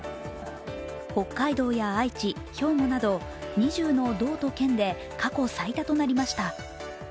北海道や愛知、兵庫など２０の道と県で過去最多となりました。